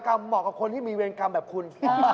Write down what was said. ๔๐๐กรัมหมดกับคนที่มีเวรกรรมแบบคุณ